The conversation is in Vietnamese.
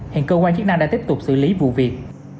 hiện cơ quan chức năng đang tiếp tục xử lý vụ việc